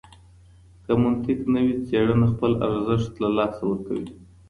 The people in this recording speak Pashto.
که منطق نه وي څېړنه خپل ارزښت له لاسه ورکوي.